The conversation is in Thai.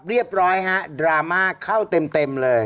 เรียบร้อยฮะดราม่าเข้าเต็มเลย